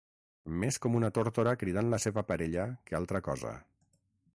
Més com una tórtora cridant la seva parella que altra cosa.